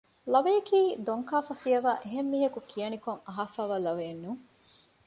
ލަވަޔަކީ ދޮންކާފަ ފިޔަވައި އެހެން މީހަކު ކިޔަނިކޮށް އަހައިފައިވާ ލަވައެއް ނޫން